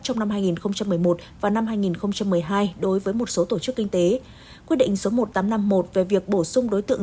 trong năm hai nghìn một mươi một và năm hai nghìn một mươi hai đối với một số tổ chức kinh tế quyết định số một nghìn tám trăm năm mươi một về việc bổ sung đối tượng